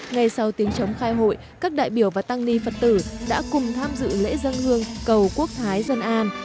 ngay sau tiếng chống khai hội các đại biểu và tăng ni phật tử đã cùng tham dự lễ dân hương cầu quốc thái dân an